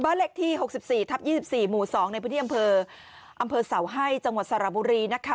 เลขที่๖๔ทับ๒๔หมู่๒ในพื้นที่อำเภอเสาให้จังหวัดสระบุรีนะคะ